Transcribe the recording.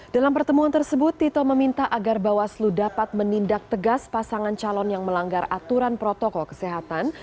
dalam pertemuan tersebut tito meminta agar bawaslu dapat menindak tegas pasangan calon yang melanggar aturan protokol kesehatan